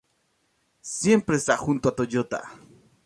Siempre está junto a Toya.